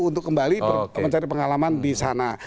untuk kembali mencari pengalaman di sana